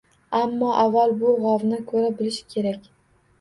Ammo, avvalo bu g‘ovni ko‘ra bilish kerak.